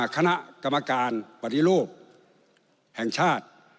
คณะกรรมการปฏิรูปแห่งชาติ